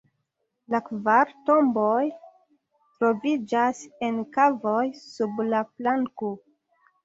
La kvar tomboj troviĝas en kavoj sub la planko.